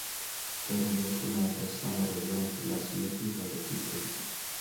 که روبوټونه د سمه روزنه ترلاسه نه کړي، غلطۍ کوي.